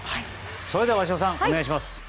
それでは鷲尾さんお願いします。